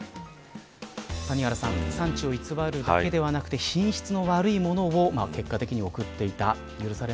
谷原さん、産地を偽るだけではなく品質の悪いものを結果的に送っていた。